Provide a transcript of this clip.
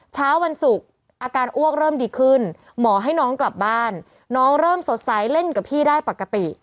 เช้าวันศุกร์อาการอ้วกเริ่มดีขึ้นหมอให้น้องกลับบ้านน้องเริ่มสดใสเล่นกับพี่ได้ปกติ